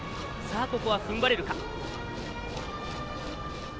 ここは、ふんばれるか。